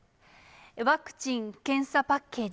ワクチン・検査パッケージ。